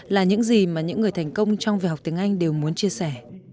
là những gì mà những người thành công trong việc học tiếng anh đều muốn chia sẻ